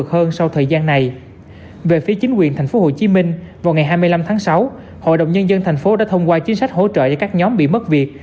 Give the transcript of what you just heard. tổng kinh phí hỗ trợ cho các nhóm bị mất việc